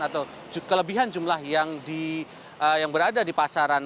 atau kelebihan jumlah yang berada di pasaran